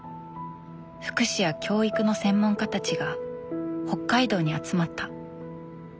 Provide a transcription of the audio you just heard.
福祉や教育の専門家たちが北海道に集まった。